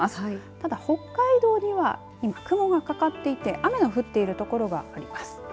ただ北海道には雲がかかっていて雨の降っている所があります。